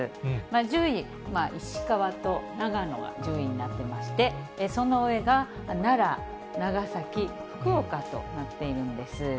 １０位、石川と長野が１０位になってまして、その上が奈良、長崎、福岡となっているんです。